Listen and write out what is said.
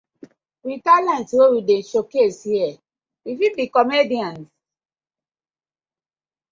With talent wey we dey show case here we fit be comedians.